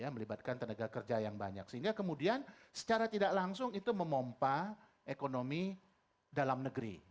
melibatkan tenaga kerja yang banyak sehingga kemudian secara tidak langsung itu memompa ekonomi dalam negeri